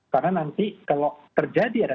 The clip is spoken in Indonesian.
karena nanti kalau terjadi ada